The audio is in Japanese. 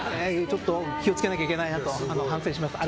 気をつけなきゃいけないと反省しました。